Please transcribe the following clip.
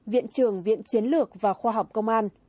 viện trưởng viện chiến lược và khoa học công an